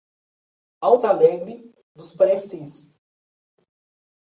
Alto Alegre dos Parecis